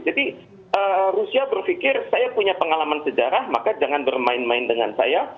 jadi rusia berpikir saya punya pengalaman sejarah maka jangan bermain main dengan saya